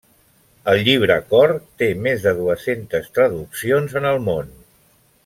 El Llibre Cor té més de dues-centes traduccions en el món.